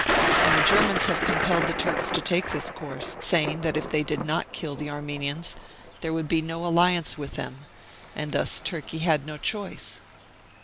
And the Germans have compelled the Turks to take this course, saying that if they did not kill the Armenians there would be no alliance with them, and thus Turkey had no choice."